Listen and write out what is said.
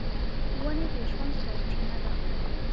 ونې د ژوند سرچینه ده.